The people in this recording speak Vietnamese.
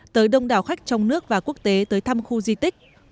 tới đông đảo khách trong nước và quốc tế tới thăm khu di tích